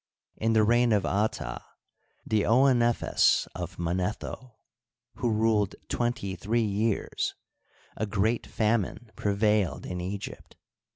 In the reign of Ata, the Ouenephes of Manetho, who ruled twenty three years, a great famine prevailed in Egypt.